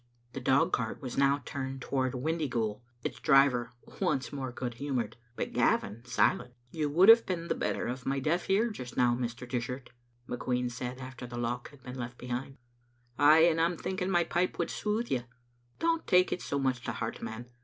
The dog cart was now turned toward Windyghoul, its driver once more good humoured, but Gavin si lent. " You would have been the better of my deaf ear just now, Mr. Dishart," McQueen said after the loch had been left behind. "Aye, and I'm thinking my pipe would soothe you. But don't take it so much to heart, man.